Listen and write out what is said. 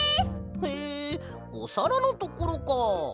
へえおさらのところか。